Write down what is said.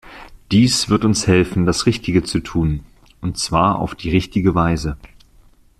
Dies wird uns helfen, das Richtige zu tun, und zwar auf die richtige Weise.